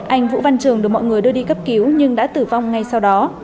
anh vũ văn trường được mọi người đưa đi cấp cứu nhưng đã tử vong ngay sau đó